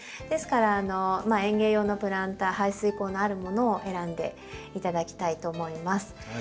ですから園芸用のプランター排水口のあるものを選んで頂きたいと思います。